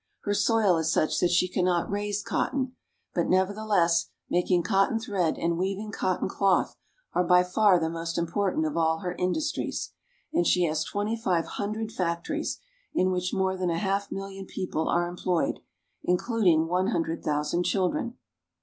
Her soil is such that she cannot raise cotton ; but, nevertheless, making cotton thread and weaving cotton cloth are by far the most important of all her industries, and she has twenty five hundred factories, in which more than a half million people are employed, including one hundred thousand children.